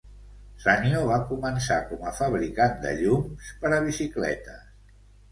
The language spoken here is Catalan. Sanyo va començar com a fabricant de llums per a bicicletes.